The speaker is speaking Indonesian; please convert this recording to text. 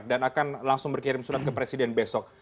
dan akan langsung berkirim surat ke presiden besok